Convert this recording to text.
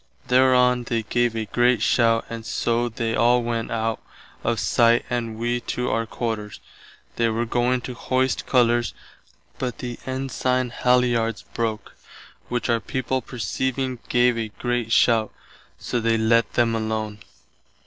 Thereon they gave a great shout and so they all went out of sight and wee to our quarters. They were going to hoist colours but the ensigne halliards broke, which our people perceiving gave a great shout, so they lett them alone.